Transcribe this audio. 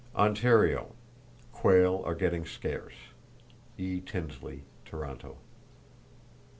Ontario: Quail are getting scarce.—(E. Tinsley, Toronto.)